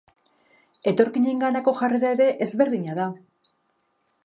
Etorkinenganako jarrera ere ezberdina da.